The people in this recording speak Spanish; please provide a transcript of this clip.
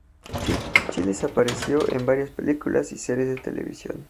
Chiles apareció en varias películas y series de televisión.